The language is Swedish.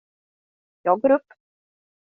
Jag går upp.